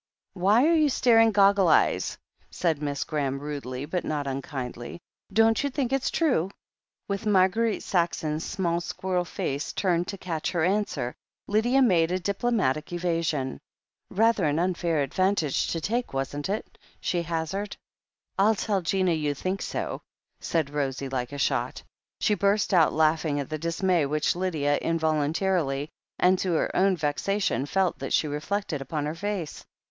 '*Why are you staring, goggle eyes ?" said Miss Gra ham, rudely but not unkindly. "Don't you think it's trae?" With Marguerite Saxon's small, squirrel face turned to catch her answer, Lydia made a diplomatic evasion. "Rather an imfair advantage to take, wasn't it?" she hazarded. "I'll tell Gina you think so," said Rosie, like a shot. She burst out laughing at the dismay which Lydia, involtmtarily, and to her own vexation, felt that she reflected upon her face.